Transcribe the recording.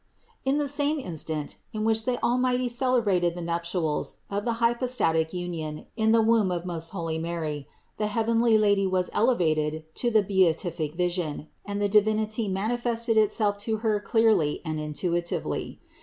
139. In the same instant, in which the Almighty cele brated the nuptials of the hypostatic union in the womb of most holy Mary, the heavenly Lady was elevated to the beatific vision and the Divinity manifested Itself to Her clearly and intuitively.